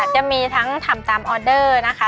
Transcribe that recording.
จะมีทั้งทำตามออเดอร์นะคะ